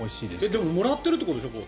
でももらってるってことでしょ。